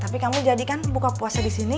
tapi kamu jadikan buka puasa di sini